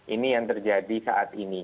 ini yang terjadi saat ini